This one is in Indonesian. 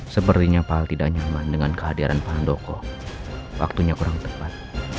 sepertinya pal tidak nyaman dengan kehadiran pak handoko waktunya kurang tepat